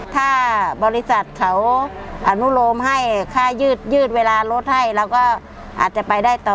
ถ้าบริษัทเขาอนุโลมให้ค่ายืดเวลารถให้เราก็อาจจะไปได้ต่อ